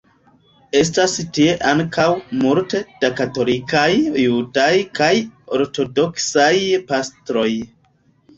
Estas tie ankaŭ multe da katolikaj, judaj kaj ortodoksaj pastroj.